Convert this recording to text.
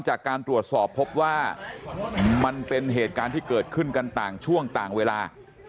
จากการตรวจสอบพบว่ามันเป็นเหตุการณ์ที่เกิดขึ้นกันต่างช่วงต่างเวลา